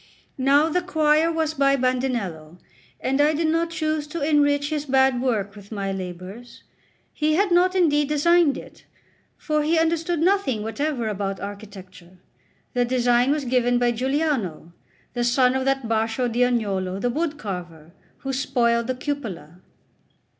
Now the choir was by Bandinello, and I did not choose to enrich his bad work with my labours. He had not indeed designed it, for he understood nothing whatever about architecture; the design was given by Giuliano, the son of that Baccio d'Agnolo, the wood carver, who spoiled the cupola.